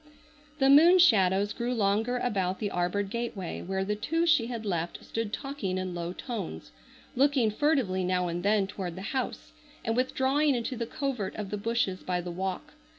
The moon shadows grew longer about the arbored gateway where the two she had left stood talking in low tones, looking furtively now and then toward the house, and withdrawing into the covert of the bushes by the walk.